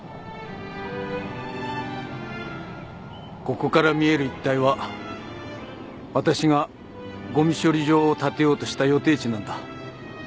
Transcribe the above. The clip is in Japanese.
ここから見える一帯はわたしがゴミ処理場を建てようとした予定地なんだ。